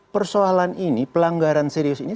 persoalan ini pelanggaran serius ini